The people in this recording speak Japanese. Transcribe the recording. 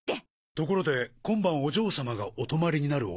ところで今晩お嬢様がお泊まりになるお部屋ですが。